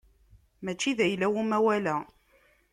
Mačči d ayla-w umawal-a.